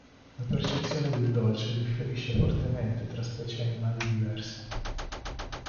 La percezione del dolce differisce fortemente tra specie animali diverse.